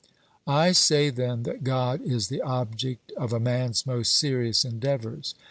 I say then, that God is the object of a man's most serious endeavours.